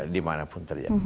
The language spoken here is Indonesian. dimana pun terjadi